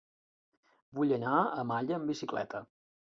Vull anar a Malla amb bicicleta.